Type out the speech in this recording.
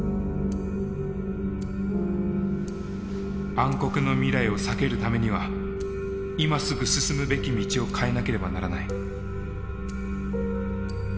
暗黒の未来を避けるためには今すぐ進むべき道を変えなければならない。